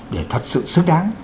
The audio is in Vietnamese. để thật sự xứng đáng